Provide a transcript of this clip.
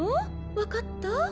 分かった？